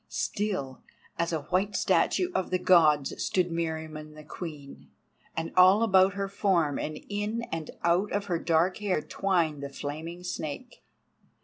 Still as a white statue of the Gods stood Meriamun the Queen, and all about her form and in and out of her dark hair twined the flaming snake.